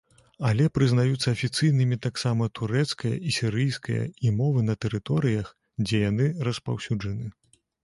Але прызнаюцца афіцыйнымі таксама турэцкая і сірыйская і мовы на тэрыторыях, дзе яны распаўсюджаны.